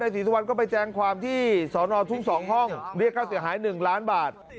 ศรีสุวรรณก็ไปแจ้งความที่สอนอทุ่ง๒ห้องเรียกค่าเสียหาย๑ล้านบาท